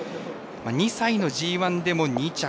２歳のＧＩでも２着。